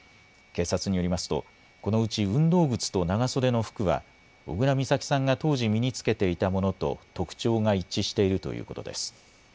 警察によりますと、このうち運動靴と長袖の服は、小倉美咲さんが当時身に着けていたものと特徴が一致しているということです。